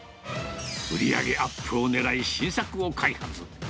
売り上げアップをねらい、新作を開発。